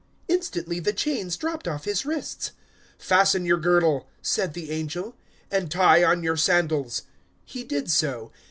Instantly the chains dropped off his wrists. 012:008 "Fasten your girdle," said the angel, "and tie on your sandals." He did so.